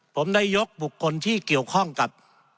ผมได้ยกบุคคลที่เกี่ยวข้องกับ